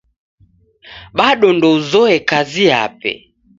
Bado ndouzoye kazi yape.